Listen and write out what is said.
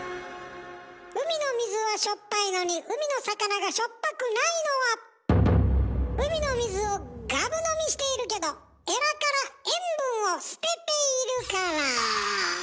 海の水はしょっぱいのに海の魚がしょっぱくないのは海の水をガブ飲みしているけどエラから塩分を捨てているから。